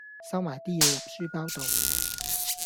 收埋啲嘢入書包度